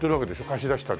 貸し出したり。